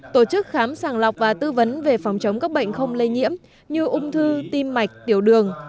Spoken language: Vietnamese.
tổ chức khám sàng lọc và tư vấn về phòng chống các bệnh không lây nhiễm như ung thư tim mạch tiểu đường